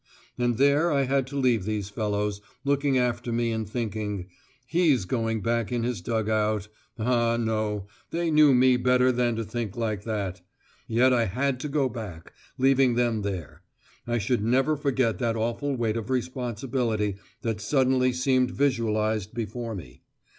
And there I had to leave these fellows, looking after me and thinking, "He's going back to his dug out." Ah! no, they knew me better than to think like that. Yet I had to go back, leaving them there. I should never forget that awful weight of responsibility that suddenly seemed visualised before me.